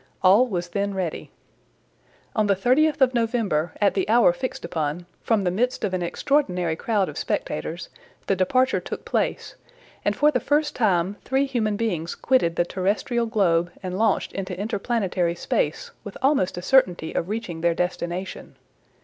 All was then ready. On the 30th of November, at the hour fixed upon, from the midst of an extraordinary crowd of spectators, the departure took place, and for the first time, three human beings quitted the terrestrial globe, and launched into inter planetary space with almost a certainty of reaching their destination.